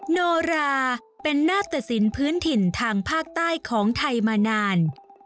โนราเป็นนาตสินพื้นถิ่นทางภาคใต้ของไทยมานาน